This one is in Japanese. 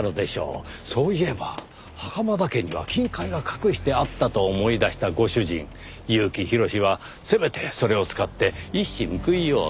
そういえば袴田家には金塊が隠してあったと思い出したご主人結城宏はせめてそれを使って一矢報いようと。